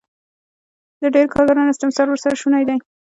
د ډېرو کارګرانو استثمار ورسره شونی دی